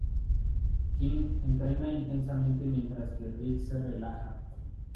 King entrena intensamente, mientras que Riggs se relaja.